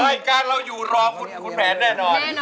รายการเราอยู่รอคุณแผนแน่นอน